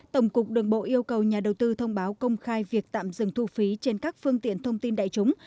tổng cục đường bộ yêu cầu nhà đầu tư thông báo công khai việc tạm dừng thu phí trên các phương tiện thông tin đại chúng